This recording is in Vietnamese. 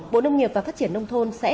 bộ nông nghiệp và phát triển nông thôn sẽ